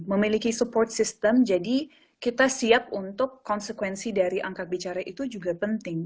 memiliki support system jadi kita siap untuk konsekuensi dari angkat bicara itu juga penting